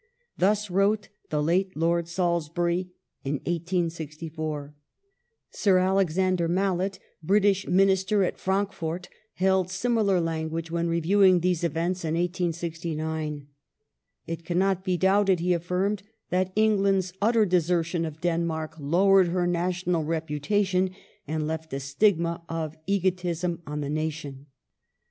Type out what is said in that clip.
^ Thus wrote the late Lord Salisbury in 1864. Sir Alexander Malet, British Minister at Frankfort, held similar language when reviewing these events in 1869. It cannot be doubted, he affirmed, that England's *' utter desertion of Denmark lowered her national repu tation and left a stigma of egotism on the nation